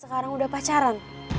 sekarang udah pacaran